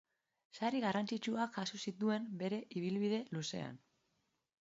Sari garrantzitsuak jaso zituen bere ibilbide luzean.